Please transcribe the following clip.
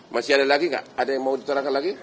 masih ada lagi nggak ada yang mau diterangkan lagi